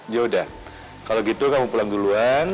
yaudah kalo gitu kamu pulang duluan